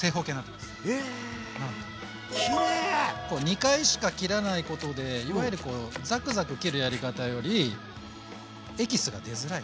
２回しか切らないことでいわゆるこうザクザク切るやり方よりエキスが出づらい。